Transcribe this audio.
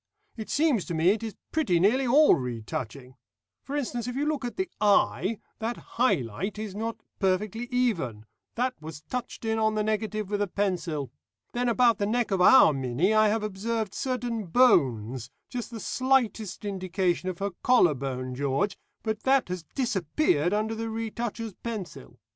"It seems to me it is pretty nearly all retouching. For instance, if you look at the eye, that high light is not perfectly even; that was touched in on the negative with a pencil. Then about the neck of our Minnie I have observed certain bones, just the slightest indication of her collar bone, George, but that has disappeared under the retoucher's pencil.